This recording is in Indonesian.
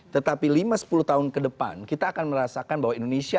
tetapi lima sepuluh tahun ke depan kita akan merasakan bahwa indonesia